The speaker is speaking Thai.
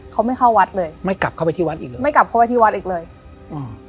เขาไม่เข้าวัดเลยไม่กลับเข้าไปที่วัดอีกเลยไม่กลับเข้าไปที่วัดอีกเลยอืม